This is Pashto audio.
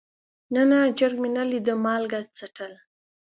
نه نه چرګ مې نه ليده مالګه څټل.